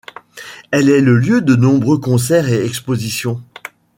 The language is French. Elle est le lieu de nombreux concerts et expositions.